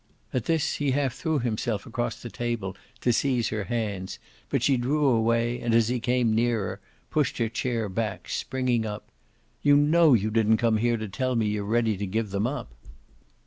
At this he half threw himself across the table to seize her hands, but she drew away and, as he came nearer, pushed her chair back, springing up. "You know you didn't come here to tell me you're ready to give them up."